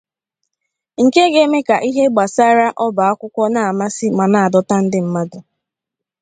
nke ga-eme ka ihe gbasaara ọba akwụkwọ na-amasị ma na-adọta ndị mmadụ